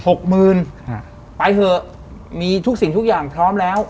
หกหมื่นฮะไปเถอะมีทุกสิ่งทุกอย่างพร้อมแล้ว